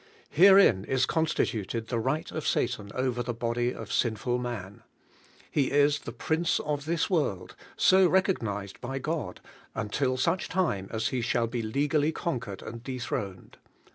Herein is constituted the right of Satan over the body of sin ful man. He is the prince of this world, si> t'ciognised by God, until audi time as be shall be legally conquered and de throned.